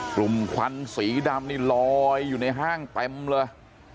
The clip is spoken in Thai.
กลุ่มขวัญสีดำนี้ลอยอยู่ในห้างเต็มเลย